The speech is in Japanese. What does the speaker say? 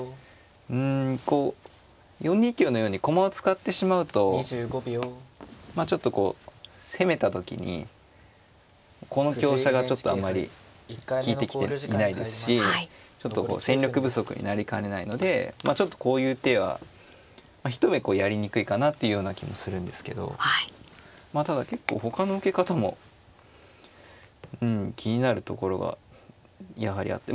うんこう４二香のように駒を使ってしまうとちょっとこう攻めた時にこの香車がちょっとあんまり利いてきていないですしちょっとこう戦力不足になりかねないのでちょっとこういう手は一目こうやりにくいかなというような気もするんですけどただ結構ほかの受け方も気になるところがやはりあって。